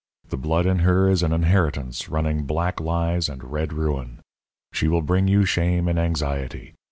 The blood in her is an inheritance running black lies and red ruin. She will bring you shame and anxiety.